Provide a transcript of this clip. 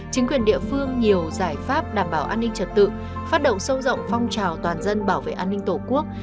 chính quyền địa phương nhiều giải pháp đảm bảo an ninh trật tự phát động sâu rộng phong trào toàn dân bảo vệ an ninh tổ quốc